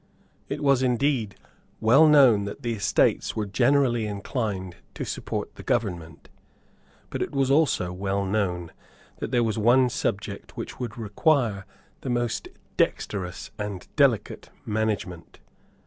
It was indeed well known that the Estates were generally inclined to support the government. But it was also well known that there was one subject which would require the most dexterous and delicate management.